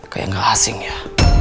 kayak gak asing ya